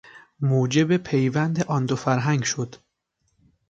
موجب پیوند آن دو فرهنگ شد.